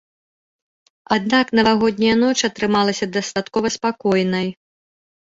Аднак навагодняя ноч атрымалася дастаткова спакойнай.